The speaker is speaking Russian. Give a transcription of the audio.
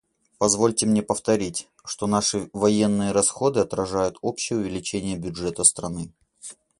Позвольте мне повторить, что наши военные расходы отражают общее увеличение бюджета страны.